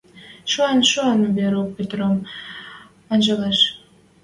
Шоэн-шоэн Верук Петрӹм анжалеш.